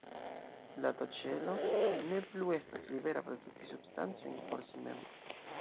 La T-ĉelo ne plu estas libera produkti substancojn por si mem.